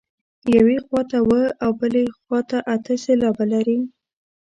یوې خوا ته اووه او بلې ته اته سېلابه لري.